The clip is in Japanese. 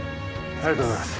ありがとうございます。